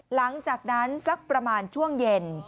หลังจากนั้นสักประมาณช่วงเย็น